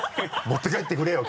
持って帰ってくれよ！